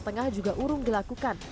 tengah juga urung dilakukan